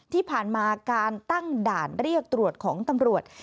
ที่ผ่านมาการตั้งด่านเรียกตรวจของตำรวจ